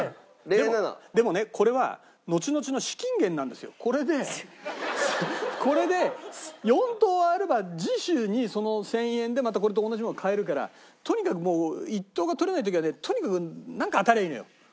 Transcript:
でもねこれは。これでこれで４等あれば次週にその１０００円でまたこれと同じものが買えるからとにかくもう１等がとれない時はねとにかくなんか当たればいいのよ。